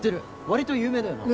割と有名だよな。